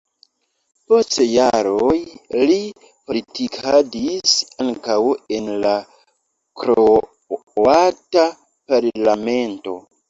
Post jaroj li politikadis ankaŭ en la kroata parlamento.